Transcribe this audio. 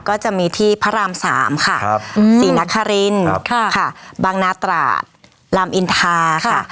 ก็จะมีที่พระรามสามครับสี่นัครินทร์ค่ะค่ะบางนาตราชผมอินทาค่ะ